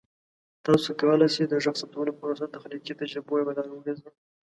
تاسو کولی شئ د غږ ثبتولو پروسه د تخلیقي تجربو یوه لاره وګرځوئ.